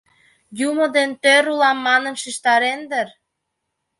Юмо дене тӧр улам манын шижтарен дыр.